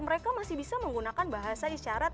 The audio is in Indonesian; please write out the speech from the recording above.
mereka masih bisa menggunakan bahasa isyarat